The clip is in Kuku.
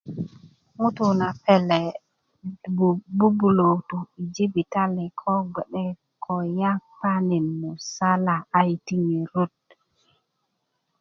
ŋutuu na pele bubulö to jibitali ko gbe'de ko yapani' musala a yiti' ŋerot